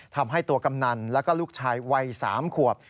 ทำให้ตัวกำนันแล้วก็ลูกชายวัย๓ขวบ